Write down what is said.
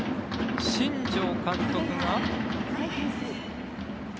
新庄監督が。